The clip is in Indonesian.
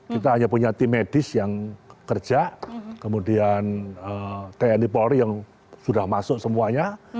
kita hanya punya tim medis yang kerja kemudian tni polri yang sudah masuk semuanya